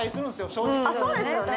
正直あっそうですよね